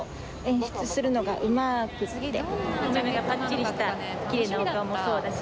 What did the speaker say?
目がパッチリしたきれいなお顔もそうだし。